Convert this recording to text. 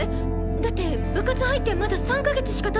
だって部活入ってまだ３か月しかたってないじゃない！